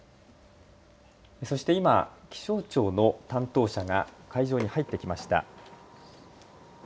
そして今、気象庁の担当者が会場に入ってきました。